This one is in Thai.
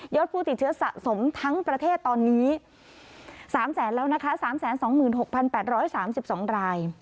ยอดผู้ติดเชื้อสมทั้งประเทศตอนนี้๓๐๒๖๘๓๒ราย